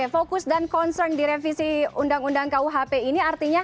fokus dan concern di revisi undang undang kuhp ini artinya